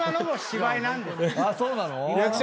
そうなの？